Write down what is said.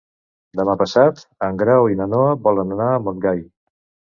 Demà passat en Grau i na Noa volen anar a Montgai.